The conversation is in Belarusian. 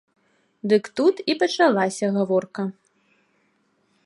Дык тут і пачалася гаворка.